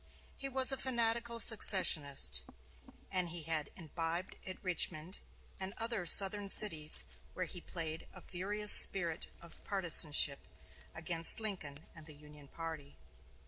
He was a fanatical secessionist, and had imbibed at Richmond and other Southern cities where he played a furious spirit of partizanship against Lincoln and the Union party.